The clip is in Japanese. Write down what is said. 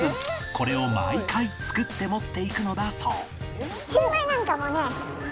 これを毎回作って持っていくのだそう